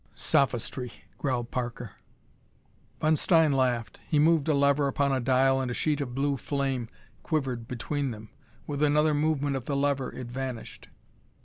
"Sophistry!" growled Parker. Von Stein laughed. He moved a lever upon a dial and a sheet of blue flame quivered between them. With another movement of the lever it vanished.